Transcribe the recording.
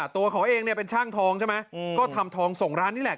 ตัวเขาเองเนี่ยเป็นช่างทองใช่ไหมก็ทำทองส่งร้านนี่แหละ